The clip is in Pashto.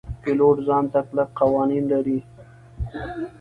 پیلوټ ځان ته کلک قوانین لري.